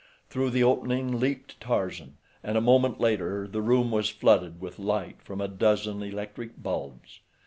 Through the opening leaped Tarzan, and a moment later the room was flooded with light from a dozen electric bulbs.